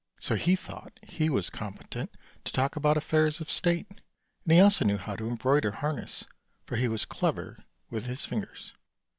So he thought he was competent to talk about affairs of state; and he also knew how to embroider harness, for he was clever with his fingers.